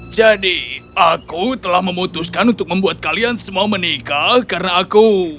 jadi aku telah memutuskan untuk membuat kalian semua menikah karena aku